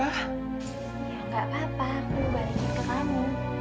oh ya gak apa apa aku balikin ke kamu